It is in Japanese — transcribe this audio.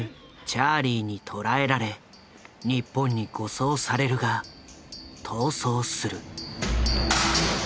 チャーリーに捕らえられ日本に護送されるが逃走する。